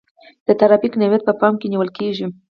د ترافیک نوعیت په پام کې نیول کیږي